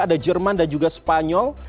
ada jerman dan juga spanyol